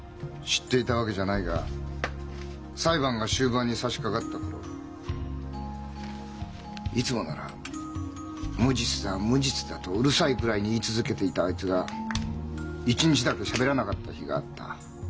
知っていたわけじゃないが裁判が終盤にさしかかった頃いつもなら「無実だ無実だ」とうるさいくらいに言い続けていたあいつが一日だけしゃべらなかった日があった。